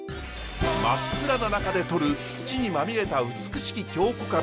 真っ暗な中でとる土にまみれた美しき京こ